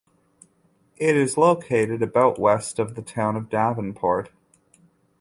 It is located about west of the town of Devonport.